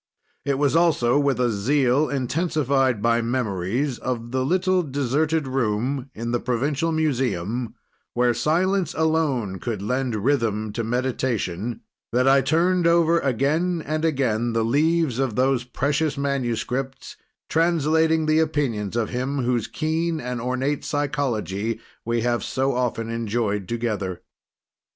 It was also with a zeal, intensified by memories of the little deserted room in the provincial museum, where silence alone could lend rhythm to meditation, that I turned over again and again the leaves of those precious manuscripts, translating the opinions of him whose keen and ornate psychology we have so often enjoyed together.